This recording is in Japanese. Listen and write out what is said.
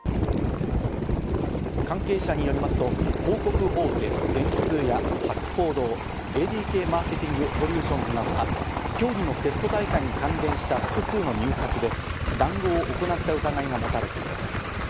関係者によりますと広告大手・電通や博報堂、ＡＤＫマーケティングソリューションズなどは競技のテスト大会に関連した複数の入札で、談合を行った疑いが持たれています。